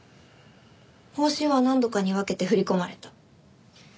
報酬は何度かに分けて振り込まれた。